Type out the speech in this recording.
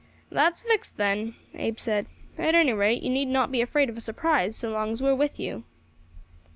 "That's fixed, then," Abe said. "At any rate you need not be afraid of a surprise so long as we are with you."